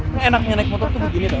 ngenaknya naik motor tuh begini doang